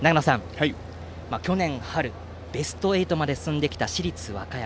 去年春ベスト８まで進んできた市立和歌山。